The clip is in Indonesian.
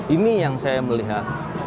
ini yang saya melihat